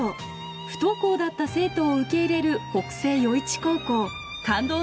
不登校だった生徒を受け入れる北星余市高校。